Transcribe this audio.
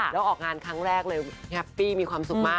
แล้วออกงานครั้งแรกเลยแฮปปี้มีความสุขมาก